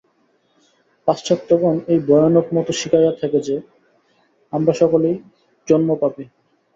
পাশ্চাত্যগণ এই ভয়ানক মত শিখাইয়া থাকে যে, আমরা সকলেই জন্মপাপী।